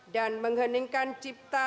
dan mengheningkan cipta